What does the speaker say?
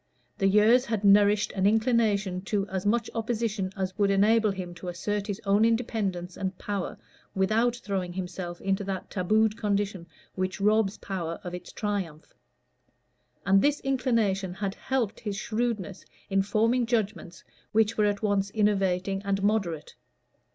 The years had nourished an inclination to as much opposition as would enable him to assert his own independence and power without throwing himself into that tabooed condition which robs power of its triumph. And this inclination had helped his shrewdness in forming judgments which were at once innovating and moderate.